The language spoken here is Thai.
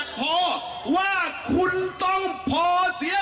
สบายดี